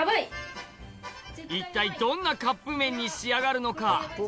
一体どんなカップ麺に仕上がるのか？